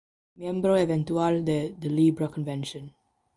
Miembro eventual de The Libra Convention.